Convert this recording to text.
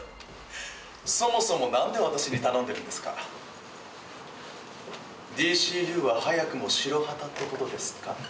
そもそも何で私に頼んでるんですかＤＣＵは早くも白旗ってことですか？